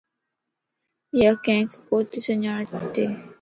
ياڪينک ڪوتي سڃاڻ ھتي